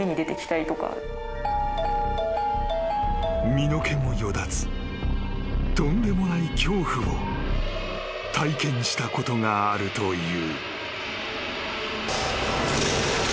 ・［身の毛もよだつとんでもない恐怖を体験したことがあるという］